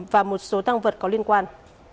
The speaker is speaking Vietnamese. và một số tăng vật có liên quan